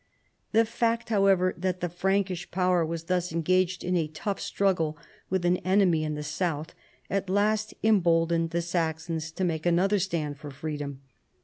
The fact, however, that the Frankish power was thus engaged in a tough struggle with an enemy in the south, at last emboldened the Saxons to make another stand for freedom.